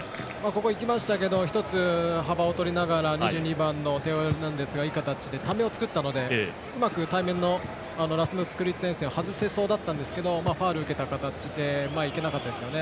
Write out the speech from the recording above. ここは行きましたけど１つ、幅を取りながら２２番のテオ・エルナンデスがいい形でためを作ったのでうまく対面のラスムス・クリステンセンを外せそうだったんですけどファウルを受けた形で行けなかったですけど。